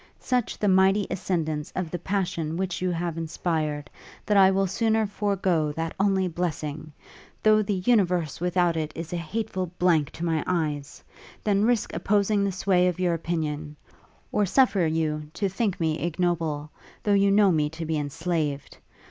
Such the mighty ascendance of the passion which you have inspired, that I will sooner forego that only blessing though the universe without it is a hateful blank to my eyes than risk opposing the sway of your opinion, or suffer you to think me ignoble, though you know me to be enslaved.